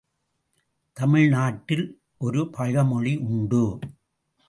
தமிழ் நாட்டில் ஒரு பழமொழி உண்டு.